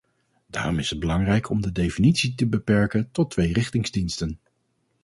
Daarom is het belangrijk om de definitie te beperken tot tweerichtingsdiensten.